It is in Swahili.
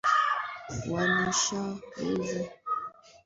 wananchi wanaweza wakahusika katika kutunza vyanzo vya maji